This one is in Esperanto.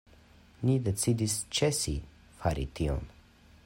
Ni decidis ĉesi fari tion.